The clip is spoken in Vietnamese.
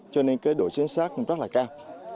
cho nên độ chính xác rất là cao